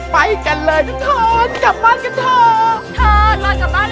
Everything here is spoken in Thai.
ไปกันเลยทุกคน